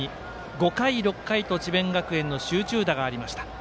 ５回、６回と智弁学園の集中打がありました。